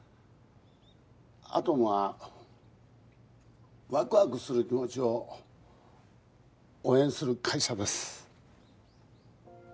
アトムはワクワクする気持ちを応援する会社です